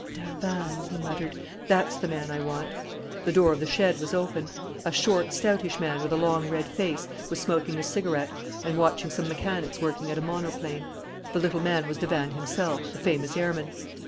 "Davanne," he muttered. "That's the man I want." The door of the shed was open. A short, stoutish man, with a long red face, was smoking a cigarette and watching some mechanics working at a monoplane. The little man was Davanne himself, the famous airman.